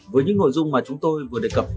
với những nội dung mà chúng tôi vừa đề cập